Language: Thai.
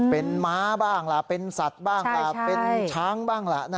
เป็นม้าบ้างล่ะเป็นสัตว์บ้างล่ะเป็นช้างบ้างล่ะ